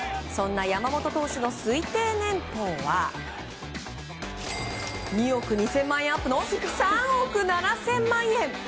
そんな山本投手の推定年俸は２億２０００万円アップの３億７０００万円。